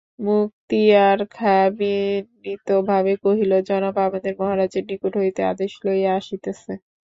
মুক্তিয়ার খাঁ বিনীতভাবে কহিল, জনাব, আমাদের মহারাজের নিকট হইতে আদেশ লইয়া আসিতেছি।